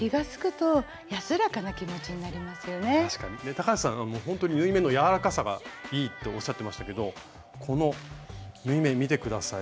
高橋さん縫い目の柔らかさがいいっておっしゃってましたけどこの縫い目見て下さい。